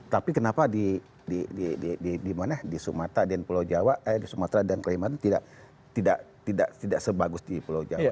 tapi kenapa di sumatera dan kalimantan tidak sebagus di pulau jawa